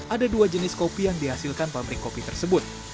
ada dua jenis kopi yang dihasilkan pabrik kopi tersebut